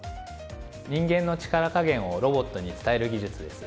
人間の力加減をロボットに伝える技術です。